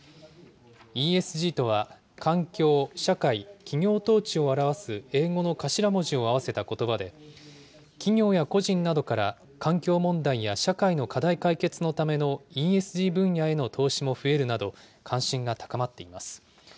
ＥＳＧとは環境、社会、企業統治を表す英語の頭文字を合わせたことばで、企業や個人などから環境問題や社会の課題解決のためのＥＳＧ分野への投資も増えるなど、関心が高まっています。